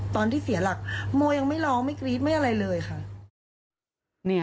ตอนที่เสียหลักมัวยังไม่ร้องไม่กรี๊ดไม่อะไรเลยค่ะ